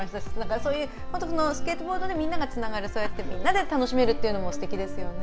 そういうスケートボードでみんながつながるみんなで楽しめるというのもすてきですよね。